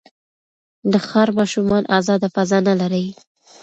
د ښار ماشومان ازاده فضا نه لري.